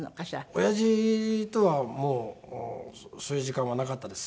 おやじとはもうそういう時間はなかったです。